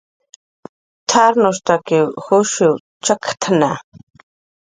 "T""arnushtakiw jusshiskun chakktna"